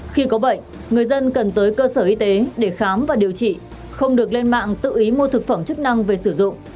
khi có bệnh người dân cần tới cơ sở y tế để khám và điều trị không được lên mạng tự ý mua thực phẩm chức năng về sử dụng